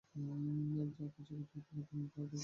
যদি কিছু ঘটিয়া থাকে, আমাকে তাহা দেখিতেই হইবে।